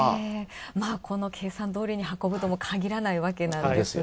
計算どおりに運ぶともかぎらないわけなんですが。